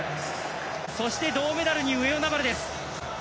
そして銅メダルに上与那原です。